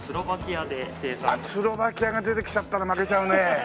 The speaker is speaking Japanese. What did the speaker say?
スロバキアが出てきちゃったら負けちゃうね。